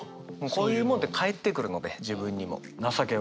こういうもんって返ってくるので自分にも。